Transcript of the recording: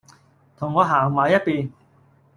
同我行埋一便